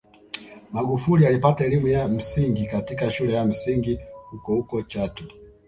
Magufuli alipata elimu ya msingi katika shule ya msingi hukohuko Chato